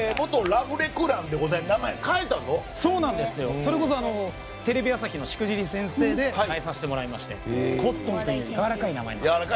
それこそ、テレビ朝日の「しくじり先生」で変えさせてもらいましてコットンというやわらかい名前に。